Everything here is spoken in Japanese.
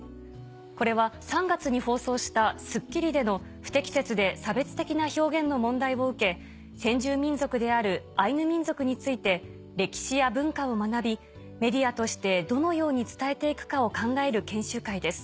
これは３月に放送した『スッキリ』での不適切で差別的な表現の問題を受け先住民族であるアイヌ民族について歴史や文化を学びメディアとしてどのように伝えて行くかを考える研修会です。